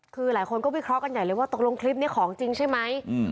คือหลายคนก็วิเคราะห์กันใหญ่เลยว่าตกลงคลิปนี้ของจริงใช่ไหม